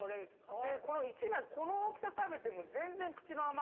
この１枚この大きさ食べても全然口の。